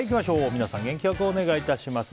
皆さん、元気良くお願いします。